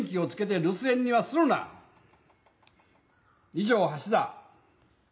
以上橋田。